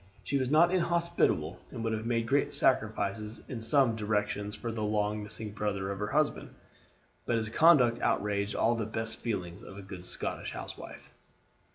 She was not inhospitable, and would have made great sacrifices in some directions for the long missing brother of her husband; but his conduct outraged all the best feelings of a good Scotch housewife.